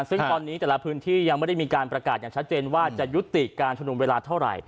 ซึ่งตอนนี้แต่ละพื้นที่ยังไม่ได้มีการประกาศอย่างชัดเจนว่าจะยุติการชุมนุมเวลาเท่าไหร่